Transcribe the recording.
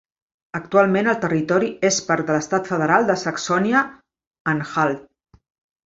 Actualment el territori és part de l'estat federal de Saxònia-Anhalt.